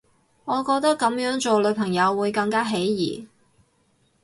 我覺得噉樣做女朋友會更加起疑